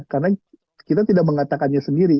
karena kita tidak mengatakannya sendiri